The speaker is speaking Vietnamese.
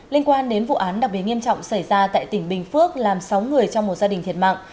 liên quan đến vụ án đặc biệt nghiêm trọng xảy ra tại tỉnh bình phước làm sáu người trong một gia đình thiệt mạng